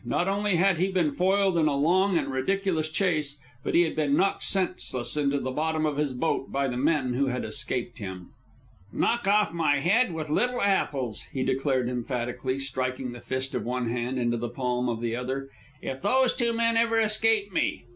Not only had he been foiled in a long and ridiculous chase, but he had been knocked senseless into the bottom of his boat by the men who had escaped him. "Knock off my head with little apples," he declared emphatically, striking the fist of one hand into the palm of the other, "if those two men ever escape me!